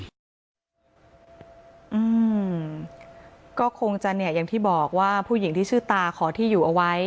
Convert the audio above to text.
อืมก็คงจะเนี่ยอย่างที่บอกว่าผู้หญิงที่ชื่อตาขอที่อยู่เอาไว้